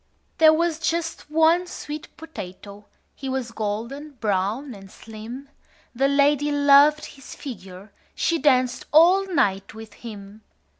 "There was just one sweet potato. He was golden brown and slim: The lady loved his figure. She danced all night with him.